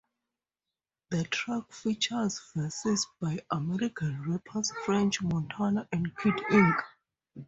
The track features verses by American rappers French Montana and Kid Ink.